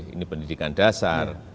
ini pendidikan dasar